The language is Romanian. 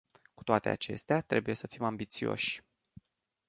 Cu toate acestea, trebuie să fim ambițioși.